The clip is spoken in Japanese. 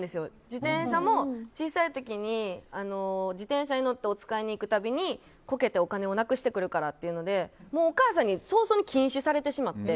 自転車も、小さい時に自転車に乗っておつかいに行くたびにこけてお金をなくしてくるからっていうのでもうお母さんに早々に禁止されてしまって。